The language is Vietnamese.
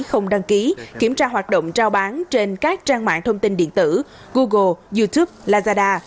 không đăng ký kiểm tra hoạt động trao bán trên các trang mạng thông tin điện tử google youtube lazada